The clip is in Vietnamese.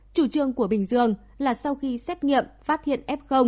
chủ trương của bình dương là sau khi xét nghiệm phát hiện f